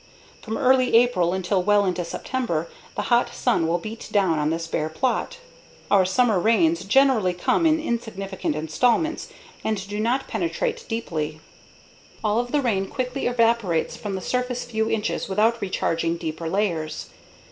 From early April until well into September the hot sun will beat down on this bare plot. Our summer rains generally come in insignificant installments and do not penetrate deeply; all of the rain quickly evaporates from the surface few inches without recharging deeper layers.